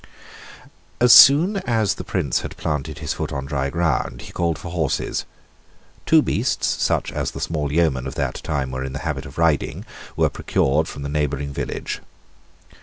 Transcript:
As soon as the Prince had planted his foot on dry ground he called for horses. Two beasts, such as the small yeomen of that time were in the habit of riding, were procured from the neighbouring village.